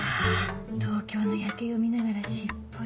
東京の夜景を見ながらしっぽり。